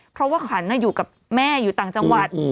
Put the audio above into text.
เพราะว่าขันอยู่กับแม่อยู่ต่างจังหวัด